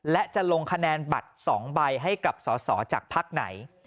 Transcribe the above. และจะลงคะแนนบัตร๒ใบให้กับสอสอจากภักดิ์ไหน